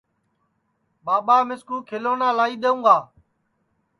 ٻاٻا مِِسکُو کھیلونا لائی دؔیوں گا